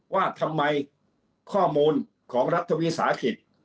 ว่าทำไมข้อมูลของรัฐวิทย์ศาสตร์